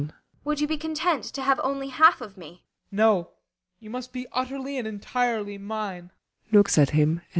] Would you be content to have only half of me? BORGHEIM. No. You must be utterly and entirely mine.